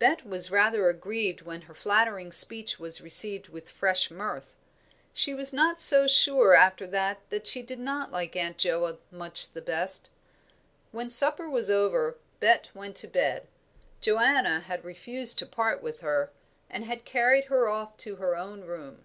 Bet was rather aggrieved when her flattering speech was received with fresh mirth. She was not so sure after that that she did not like Aunt Joa much the best. When supper was over, Bet went to bed. Joanna had refused to part with her, and had carried her off to her own room.